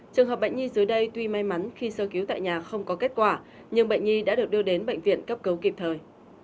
trường hợp bệnh nhi dưới đây tuy may mắn khi sơ cứu tại nhà không có kết quả nhưng bệnh nhi đã được đưa đến bệnh viện cấp cứu kịp thời